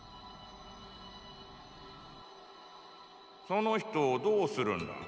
その人をどうするンだ？